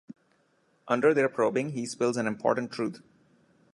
Under their probing, he spills an important truth.